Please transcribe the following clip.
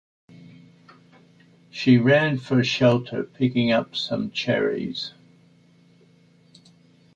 She ran for shelter, picking up some cherries.